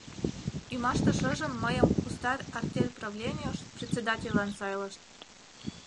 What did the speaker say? Ӱмаште шыжым мыйым кустарь артель правленийыш председательлан сайлышт.